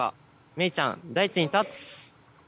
芽衣ちゃん大地に立つ。